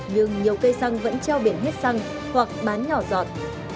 nhưng nhiều cây xăng vẫn treo biển hết xăng hoặc bán nhỏ giọt